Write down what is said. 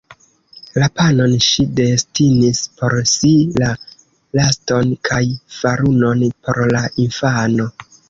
La panon ŝi destinis por si, la lakton kaj farunon por la infano.